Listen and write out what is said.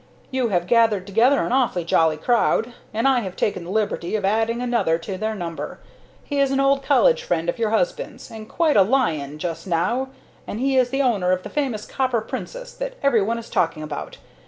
You have gathered together an awfully jolly crowd, and I have taken the liberty of adding another to their number. He is an old college friend of your husband's, and quite a lion just now, for he is the owner of the famous Copper Princess that every one is talking about.